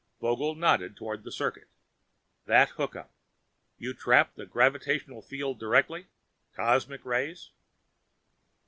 Vogel nodded toward the circuit. "That hookup you tap the gravitational field direct? Cosmic rays?"